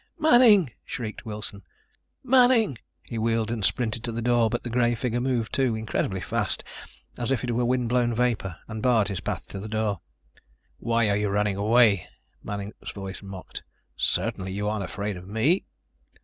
"Manning!" shrieked Wilson. "Manning!" He wheeled and sprinted for the door, but the gray figure moved, too ... incredibly fast, as if it were wind blown vapor, and barred his path to the door. "Why are you running away?" Manning's voice mocked. "Certainly you aren't afraid of me."